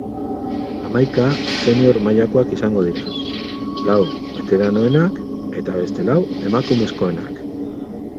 Hamaika senior mailakoak izango dira, lau beteranoenak eta beste lau emakumezkoenak.